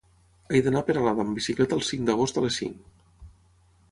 He d'anar a Peralada amb bicicleta el cinc d'agost a les cinc.